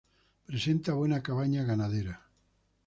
Presenta buena cabaña ganadera.